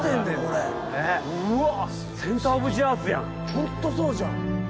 ホントそうじゃん。